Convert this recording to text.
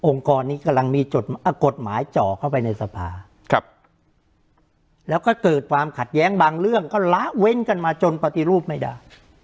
กรนี้กำลังมีจดกฎหมายเจาะเข้าไปในสภาแล้วก็เกิดความขัดแย้งบางเรื่องก็ละเว้นกันมาจนปฏิรูปไม่ได้